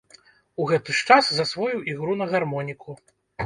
У гэты ж час засвоіў ігру на гармоніку.